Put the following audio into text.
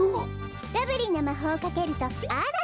ラブリーなまほうをかけるとあらふしぎ。